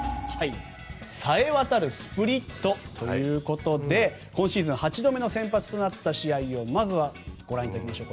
冴え渡るスプリットということで今シーズン８度目の先発となった試合をまずはご覧いただきましょう。